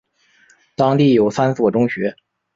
当地有三所中学。